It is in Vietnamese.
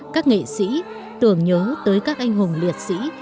các nghệ sĩ tưởng nhớ tới các anh hùng liệt sĩ